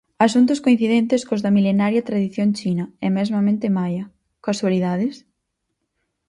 Asuntos coincidentes cos da milenaria tradición china e mesmamente maia, casualidades?